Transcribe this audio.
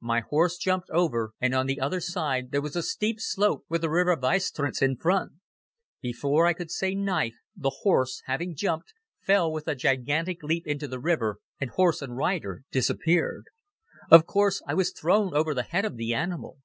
My horse jumped over and on the other side there was a steep slope with the river Weistritz in front. Before I could say knife the horse, having jumped, fell with a gigantic leap into the river and horse and rider disappeared. Of course, I was thrown over the head of the animal.